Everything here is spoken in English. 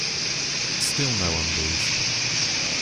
Still no undos.